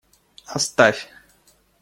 Оставь!